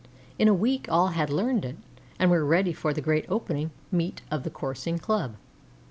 In a week all had learned it, and were ready for the great opening meet of the Coursing Club.